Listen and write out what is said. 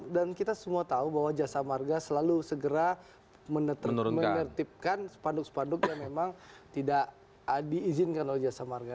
dan kita semua tahu bahwa jasa marga selalu segera menertibkan sepanduk sepanduk yang memang tidak diizinkan oleh jasa marga